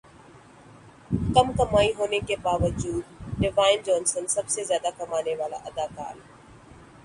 کم کمائی ہونے کے باوجود ڈیوائن جونسن سب سے زیادہ کمانے والے اداکار